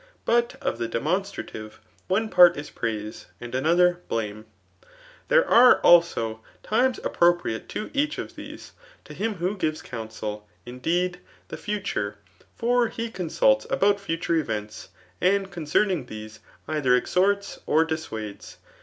But of the .demonstrative, one part is praise, and another blame* There are, also, times appropriated to each of these, to him who gives counsel, indeed, the future } for he con* suits about future events, and concerning these either ^horts, or dissuades.